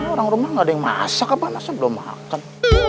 orang rumah nggak ada yang masak apa masa belum makan